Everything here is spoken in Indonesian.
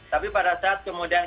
tapi pada saat kemudian